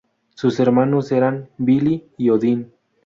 Sus hermanos eran Vili y Odín.